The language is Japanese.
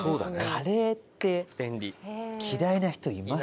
カレーって嫌いな人います？